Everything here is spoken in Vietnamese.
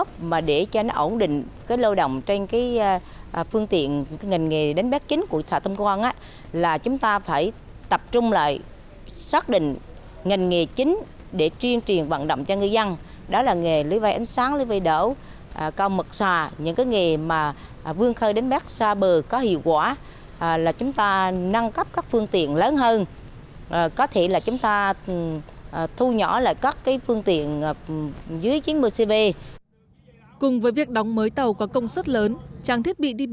tình trạng thiếu hụt là một loại lưới vây ánh sáng lưới vây đảo câu mực khơi dài ngày ở các ngư trường xa bờ